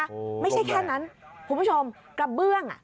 โอ้โหลมแรงไม่ใช่แค่นั้นคุณผู้ชมกระเบื้อง